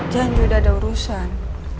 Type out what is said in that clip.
janjur udah ada urusan